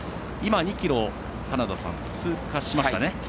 ２ｋｍを通過しました。